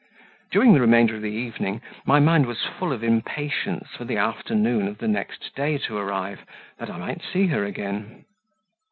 During the remainder of the evening, my mind was full of impatience for the afternoon of the next day to arrive, that I might see her again.